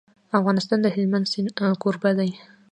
افغانستان د هلمند سیند کوربه دی.